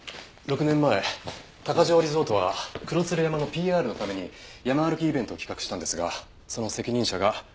６年前高城リゾートは黒鶴山のＰＲのために山歩きイベントを企画したんですがその責任者が当時社員だった野口栄斗さん。